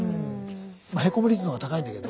へこむ率の方が高いんだけど。